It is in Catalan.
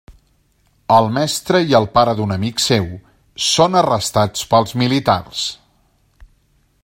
El mestre i el pare d'un amic seu són arrestats pels militars.